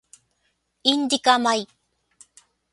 インディカ米